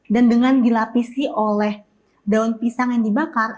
dan dengan dilapisi oleh daun pisang yang dibakar